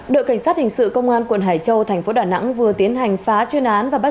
đội cảnh sát hình sự công an quận hải châu thành phố đà nẵng vừa tiến hành phá chuyên án và bắt